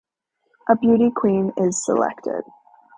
A beauty queen is selected.